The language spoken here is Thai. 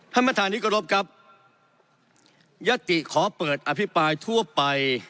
ภัณฑ์ประธานนิกรภครับยติขอเปิดอภิปรายทั่วไป